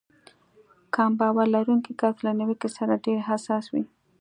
کم باور لرونکی کس له نيوکې سره ډېر حساس وي.